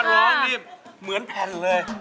ร้องนี่เหมือนแผ่นเลย